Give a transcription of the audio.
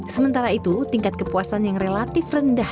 sementara itu tingkat kepuasan yang relatif rendah